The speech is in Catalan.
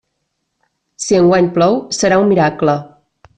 Si enguany plou, serà un miracle.